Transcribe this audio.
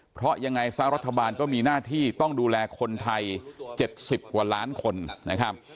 เพราะยังไงซะรัฐบาลก็มีหน้าที่ต้องดูแลคนไทย๗๐กว่าล้านคนนะครับ